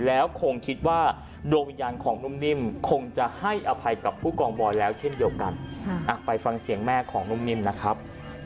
แล้วคงคิดว่าดวงวิญญาณของนุ่มนิ่มคงจะให้อภัยกับผู้กองบอยแล้วเช่นเดียวกันไปฟังเสียงแม่ของนุ่มนิ่มนะครับ